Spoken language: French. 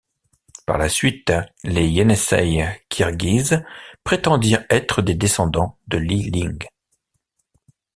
Par la suite, les Ienisseï kirghize prétendirent être des descendants de Li Ling.